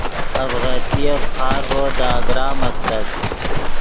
اڤغتیف خارڤو دے اگرام استت